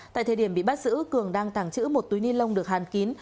tại thời điểm bị bắt giữ cường đang tàng trữ một túi ni lông được hàn kín